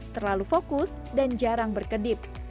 terlalu fokus dan jarang berkedip